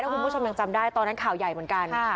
คุณผู้ชมยังจำได้ตอนนั้นข่าวใหญ่เหมือนกัน